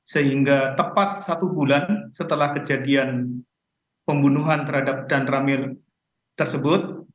sehingga tepat satu bulan setelah kejadian pembunuhan terhadap dan ramir tersebut